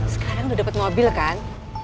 sekarang udah dapet mobil kan